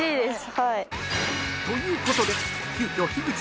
［ということで］